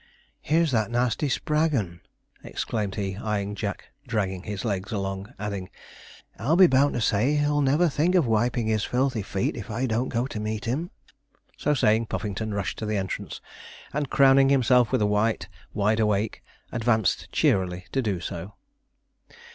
'Here's that nasty Spraggon,' exclaimed he, eyeing Jack dragging his legs along, adding, 'I'll be bound to say he'll never think of wiping his filthy feet if I don't go to meet him.' So saying, Puffington rushed to the entrance, and crowning himself with a white wide awake, advanced cheerily to do so.